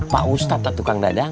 pak ustadz lah tuh kang dadang